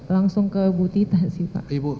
langsung ke bu tita sih pak